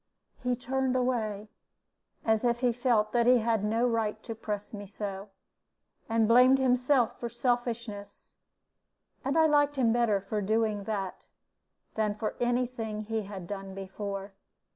He turned away, as if he felt that he had no right to press me so, and blamed himself for selfishness; and I liked him better for doing that than for any thing he had done before.